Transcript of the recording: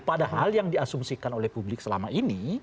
padahal yang diasumsikan oleh publik selama ini